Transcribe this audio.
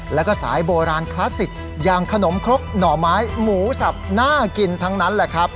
แล้วก็สายโบราณคลาสสิกอย่างขนมครกหน่อไม้หมูสับน่ากินทั้งนั้นแหละครับ